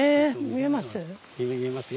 見えます？